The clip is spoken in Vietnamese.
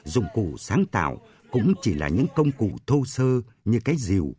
dụng cụ sáng tạo cũng chỉ là những công cụ thô sơ như cái diều